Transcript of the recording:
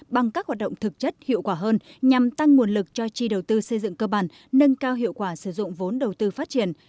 bằng các hoạt động thực chất hiệu quả hơn nhằm tăng nguồn lực cho chi đầu tư xây dựng cơ bản nâng cao hiệu quả sử dụng vốn đầu tư phát triển